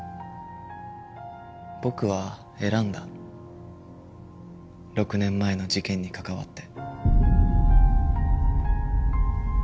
僕は選んだ６年前の事件に関わって。